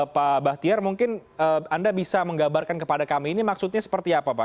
pak bahtiar mungkin anda bisa menggabarkan kepada kami ini maksudnya seperti apa pak